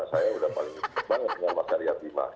saya udah paling bersyukur banget dengan mas arya dima